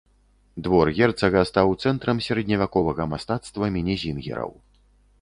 Двор герцага стаў цэнтрам сярэдневяковага мастацтва мінезінгераў.